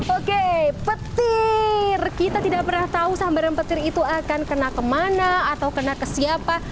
oke petir kita tidak pernah tahu sambaran petir itu akan kena kemana atau kena ke siapa